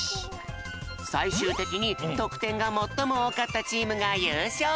さいしゅうてきにとくてんがもっともおおかったチームがゆうしょう！